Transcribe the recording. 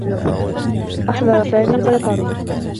أحضر سامي البيطري.